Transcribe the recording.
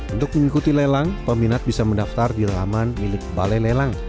untuk mengikuti lelang peminat bisa mendaftar di laman milik balai lelang